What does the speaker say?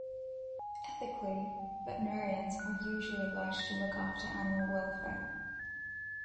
Ethically, veterinarians are usually obliged to look after animal welfare.